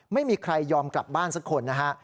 ไม่มีใครยอมกลับบ้านสักคนนะฮะ